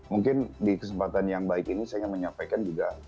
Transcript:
mungkin di kesempatan yang baik ini saya ingin menyampaikan juga